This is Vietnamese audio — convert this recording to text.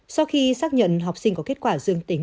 sau khi xác nhận học sinh có kết quả dương tính